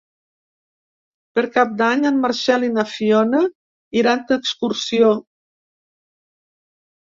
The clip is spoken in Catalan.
Per Cap d'Any en Marcel i na Fiona iran d'excursió.